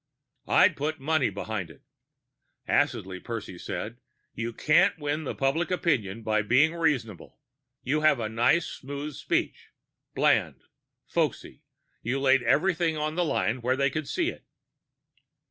"I'd put money behind it." Acidly Percy said, "You can't win the public opinion by being reasonable. You gave a nice smooth speech. Bland ... folksy. You laid everything on the line where they could see it."